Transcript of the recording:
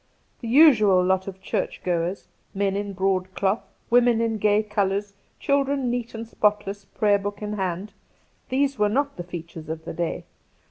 The usual lot of church goers : men in broadcloth, women in gay colours, childrerii heat and spotless, Praygr book in hand — these were not the features of the day.